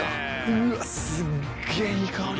うわすっげぇいい香り！